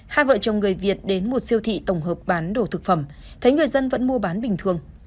hai vợ chồng người việt đến một siêu thị tổng hợp bán đồ thực phẩm thấy người dân vẫn mua bán bình thường